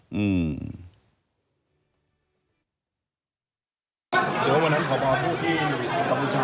ทางไหน